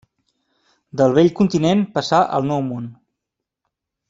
Del vell continent passà al Nou Món.